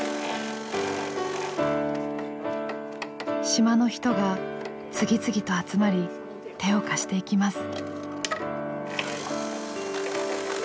島の人が次々と集まり手を貸していきます。